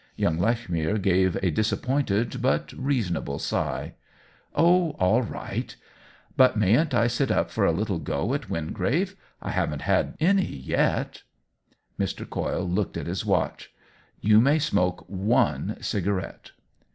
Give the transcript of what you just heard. Young Lechmere gave a disappointed but reasonable sigh. " Oh, all right. But mayn't I sit up for a OWEN WINGRAVE 207 little go at Wingrave ? I haven't had any yet." Mr. Coyle looked at his watch. " You may smoke one cigarette."